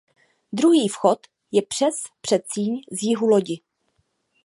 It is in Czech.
Druhý vchod je přes předsíň z jihu lodi.